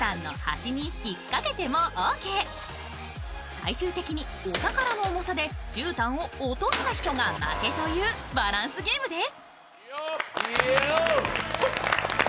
最終的にお宝の重さでじゅうたんを落とした人が負けというバランスゲームです。